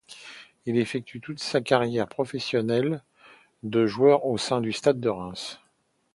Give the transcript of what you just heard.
Il effectue toute sa carrière professionnelle de joueur au sein du Stade de Reims.